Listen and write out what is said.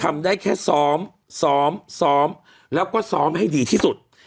ทำได้แค่ซ้อมซ้อมซ้อมแล้วก็ซ้อมให้ดีที่สุด